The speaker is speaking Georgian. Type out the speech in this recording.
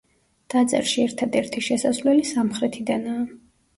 ტაძარში ერთადერთი შესასვლელი სამხრეთიდანაა.